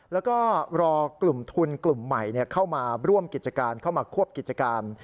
แล้วก็รอกลุ่มทุนกลุ่มใหม่เข้ามาร่วมกิจการเข้ามาควบกิจการ